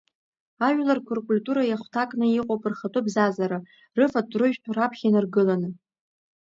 Ажәларқәа ркультура иахәҭакны иҟоуп рхатәы бзазара, рыфатә-рыжәтә раԥхьа инаргыланы.